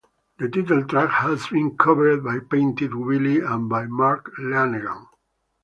The title track has been covered by Painted Willie and by Mark Lanegan.